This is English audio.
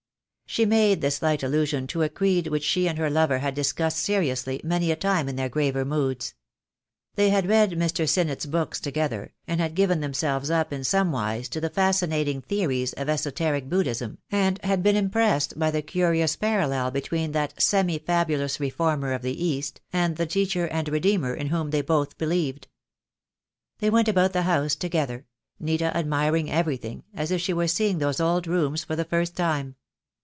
She made this light allusion to a creed which she and her lover had discussed seriously many a time in their graver moods. They had read Mr. Sinnett's books together, and had given themselves up in somewise to the fascinating theories of Esoteric Buddhism, and had been impressed by the curious parallel between that semi fabulous Reformer of the East and the Teacher and Redeemer in whom they both believed. They went about the house together, Nita admiring everything, as if she were seeing those old rooms for the first time.